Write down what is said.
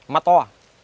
mắt to à